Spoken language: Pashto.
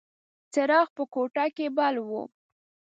څراغ په کوټه کې بل و.